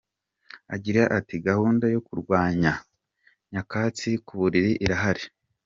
Agira ati “Gahunda yo kurwanya Nyakatsi ku buriri irahari.